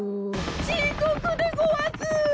ちこくでごわす！